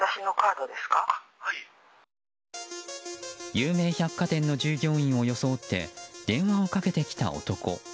有名百貨店の従業員を装って電話をかけてきた男。